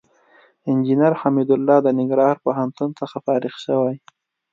انجينر حميدالله د ننګرهار پوهنتون څخه فارغ شوى.